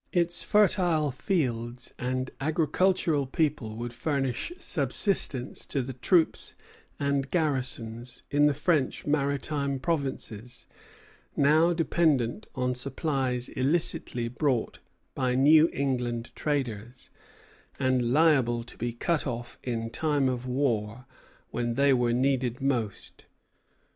Its fertile fields and agricultural people would furnish subsistence to the troops and garrisons in the French maritime provinces, now dependent on supplies illicitly brought by New England traders, and liable to be cut off in time of war when they were needed most.